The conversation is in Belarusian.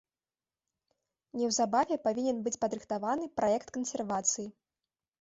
Неўзабаве павінен быць падрыхтаваны праект кансервацыі.